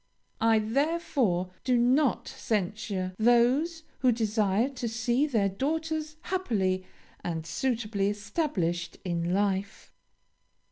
I therefore do not censure those who desire to see their daughters happily and suitably established in life.